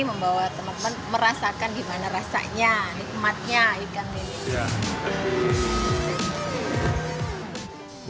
membawa teman teman merasakan gimana rasanya nikmatnya ikan ini